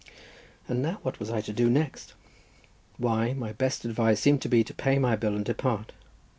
And now what was I to do next? Why, my best advice seemed to be to pay my bill and depart.